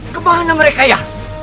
kebahanan mereka ya